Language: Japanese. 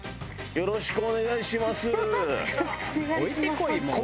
よろしくお願いします。